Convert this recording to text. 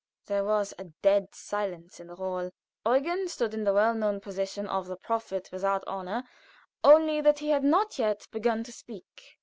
There was a dead silence in the hall. Eugen stood in the well known position of the prophet without honor, only that he had not yet begun to speak.